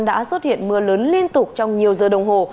đã xuất hiện mưa lớn liên tục trong nhiều giờ đồng hồ